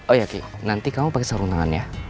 oh ya ki nanti kamu pakai sarung tangannya